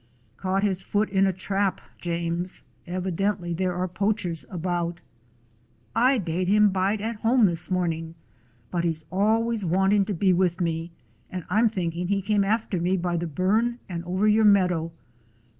"Caught his foot in a trap, James. Evi dently there are poachers about." "I bade him bide at home this morning, but he 's always wanting to be with me, and I 'm thinking he came after me by the burn and over your meadow.